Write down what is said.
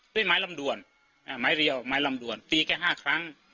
ด้วยไม้ลำด่วนไม้เรียวไม้ลำด่วนตีแค่๕ครั้ง